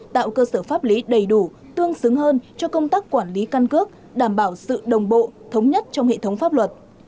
tạo cơ sở pháp lý đầy đủ tương xứng hơn cho công tác quản lý căn cước đảm bảo sự đồng bộ thống nhất trong hệ thống pháp luật